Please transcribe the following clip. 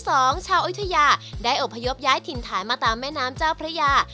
สองชาวอยุธยาได้อบพยพย้ายถิ่นฐานมาตามแม่น้ำเจ้าพระยา